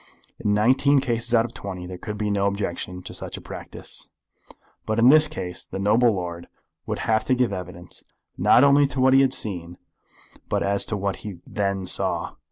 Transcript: In nineteen cases out of twenty there could be no objection to such a practice. But in this case the noble lord would have to give evidence not only as to what he had seen, but as to what he then saw.